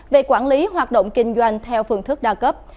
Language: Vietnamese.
về quản lý hoạt động kinh doanh theo phương thức đa cấp